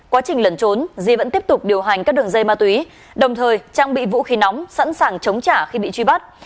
quá trình lẩn trốn di vẫn tiếp tục điều hành các đường dây ma túy đồng thời trang bị vũ khí nóng sẵn sàng chống trả khi bị truy bắt